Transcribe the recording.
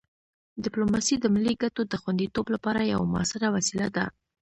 ډیپلوماسي د ملي ګټو د خوندیتوب لپاره یوه مؤثره وسیله ده.